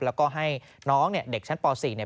แล้วก็ให้น้องเนี่ยเด็กชั้นป๔เนี่ย